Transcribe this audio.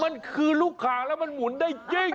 มันคือลูกคางแล้วมันหมุนได้ยิ่ง